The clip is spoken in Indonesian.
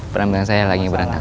peran peran saya lagi berantakan